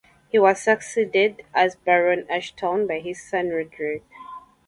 He was succeeded as Baron Ashtown by his son Roderick.